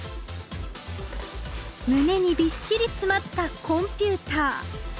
胸にびっしり詰まったコンピューター。